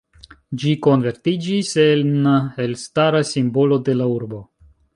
Ĝi konvertiĝis en elstara simbolo de la urbo.